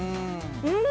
うん。